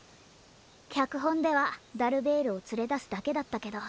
きゃくほんではダルベールをつれだすだけだったけど。